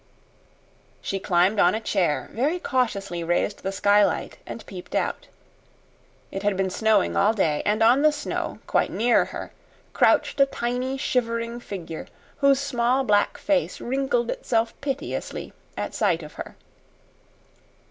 She climbed on a chair, very cautiously raised the skylight, and peeped out. It had been snowing all day, and on the snow, quite near her, crouched a tiny, shivering figure, whose small black face wrinkled itself piteously at sight of her.